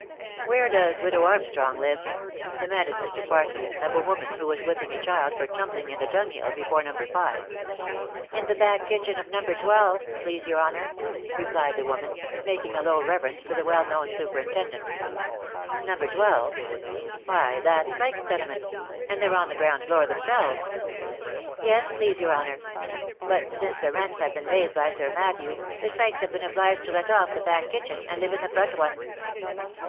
" Where does widow Armstrong live V* demanded Mr. Parsons of a woman who was whipping a child for tumbling in the dung hill before No. 5. d 2 36 THE LIFE AND ADVENTURES "In the back kitchen of No. 12, please your honour," replied the woman, making a low reverence to the well known superin tendent. " No. 12 !— why that's Sykes's tenement — and they're on the ground floor themselves." " Yes, please your honour ; but since the rents have been raised by Sir Matthew, the Sykes's have been obliged to let off the back kitchen, and live in the front one."